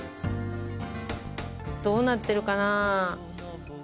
どうなってるかな？